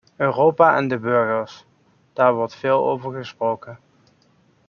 Europa en de burgers, daar wordt veel over gesproken.